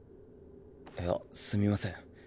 いやすみません。